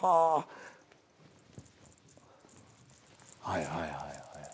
はいはいはいはい。